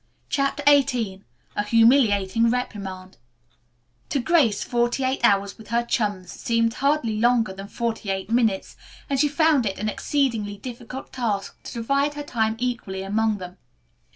CHAPTER XVIII A HUMILIATING REPRIMAND To Grace forty eight hours with her chums seemed hardly longer than forty eight minutes, and she found it an exceedingly difficult task to divide her time equally among them.